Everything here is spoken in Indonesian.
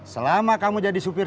selama kamu jadi supir